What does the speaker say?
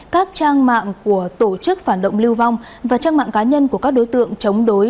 các trang mạng của tổ chức phản động lưu vong và trang mạng cá nhân của các đối tượng chống đối